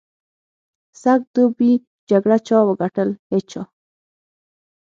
سږ دوبي جګړه چا وګټل؟ هېچا.